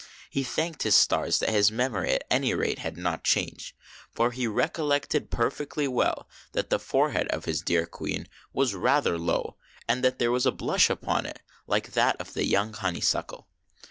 He thanked his stars that his memory, at any rate, had not changed ; for he recollected perfectly well that the forehead of his dear Queen was rather low, and that there was a blush upon it, like that of the young honeysuckle.